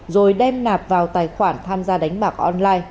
rồi đem nạp vào tài khoản tham gia đánh bạc online